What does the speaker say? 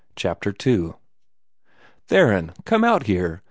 CHAPTER II "Theron! Come out here!